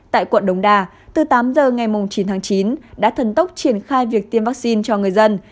tại quận đồng đà từ tám giờ ngày chín tháng chín đã thần tốc triển khai việc tiêm vaccine cho người dân